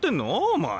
お前。